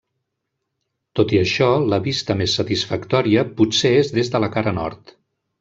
Tot i això, la vista més satisfactòria potser és des de la cara nord.